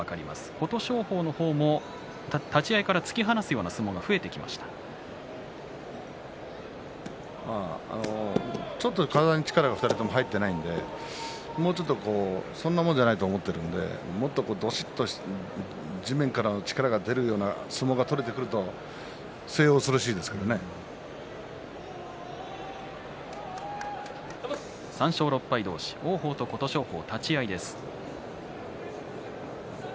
琴勝峰の方も立ち合いから突き放すような相撲がちょっと体に力が２人とも入っていないのでもうちょっとそんなものではないと思っているのでもっと、どしっと地面から力が出るような相撲が取れると３勝６敗同士王鵬と琴勝峰。